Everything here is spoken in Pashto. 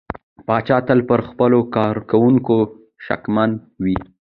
پاچا تل پر خپلو کارکوونکو شکمن وي .